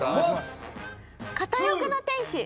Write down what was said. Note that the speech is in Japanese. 片翼の天使。